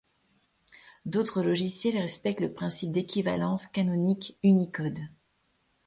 D'autres logiciels respectent le principe d'équivalence canonique Unicode.